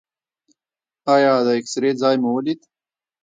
ایا د اکسرې ځای مو ولید؟